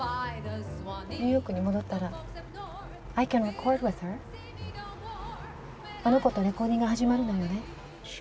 ニューヨークに戻ったらあの子とレコーディング始まるのよね？